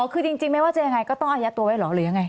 อ๋อคือจริงไม่ว่าจะอย่างไรก็ต้องอายัดตัวไว้หรืออย่างไร